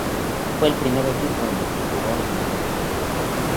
Fue el primer equipo en el que jugó en Europa.